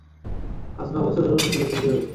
আজ ন বছর হল নিখিলেশের বিয়ে হয়েছে।